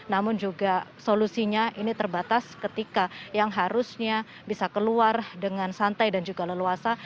namun juga solusinya ini terbatas ketika yang harusnya bisa keluar dengan santai dan juga leluasa